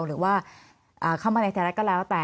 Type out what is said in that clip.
หรือว่าเข้ามาในไทยรัฐก็แล้วแต่